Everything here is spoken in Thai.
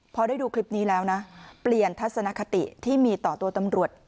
พอได้ดูคลิปนี้แล้วนะเปลี่ยนทัศนคติที่มีต่อตัวตำรวจ